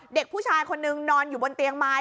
เด็กผู้ชายคนนึงนอนอยู่บนเตียงไม้